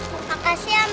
terima kasih mama